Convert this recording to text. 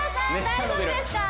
大丈夫ですか？